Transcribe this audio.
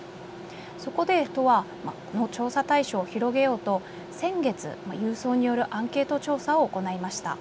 そこで都は調査対象を広げようと先月、郵送によるアンケート調査を行いました。